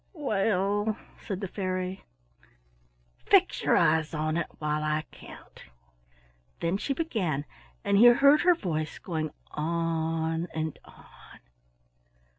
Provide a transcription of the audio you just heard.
"Well," said the Fairy, "fix your eyes on it while I count." Then she began and he heard her voice going on and on.